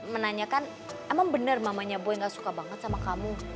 menanyakan emang bener mamanya boy gak suka banget sama kamu